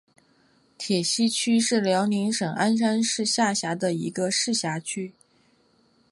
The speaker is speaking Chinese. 铁西区是辽宁省鞍山市下辖的一个市辖区。